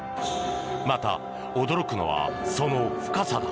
また、驚くのはその深さだ。